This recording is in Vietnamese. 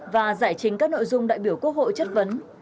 và giải trình các nội dung đại biểu quốc hội chất vấn